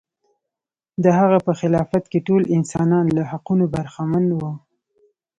د هغه په خلافت کې ټول انسانان له حقونو برخمن و.